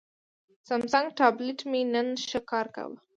سامسنګ ټابلیټ مې نن ښه کار کاوه.